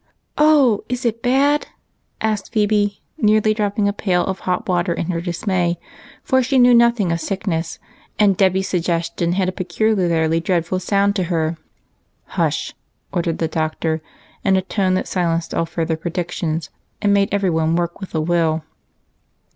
"Oh, is it bad?" asked Phebe, nearly dropping a pail of hot water in her dismay, for she knew nothing of sickness, and Dolly's suggestion had a peculiarly dreadful sound to her. " Hush !" ordered the Doctor, in a tone that silenced A SCARE. 247 all further predictions, and made every one work with a will.